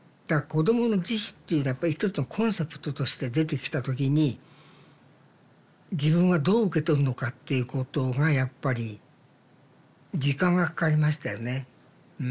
子供の自死っていうやっぱり一つのコンセプトとして出てきた時に自分はどう受け取るのかっていうことがやっぱり時間がかかりましたよね。